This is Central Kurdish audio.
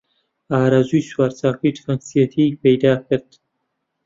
ئارەزووی سوارچاکی و تفەنگچێتی پەیدا کرد